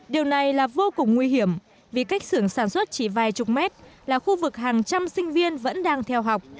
điều này là vô cùng nguy hiểm vì cách xưởng sản xuất chỉ vài chục mét là khu vực hàng trăm sinh viên vẫn đang theo học